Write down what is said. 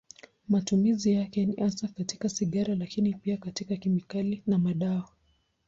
Matumizi yake ni hasa katika sigara, lakini pia katika kemikali na madawa.